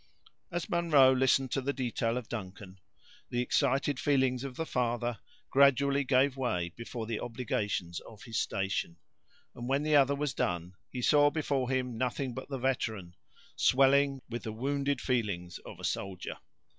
As Munro listened to the detail of Duncan, the excited feelings of the father gradually gave way before the obligations of his station, and when the other was done, he saw before him nothing but the veteran, swelling with the wounded feelings of a soldier.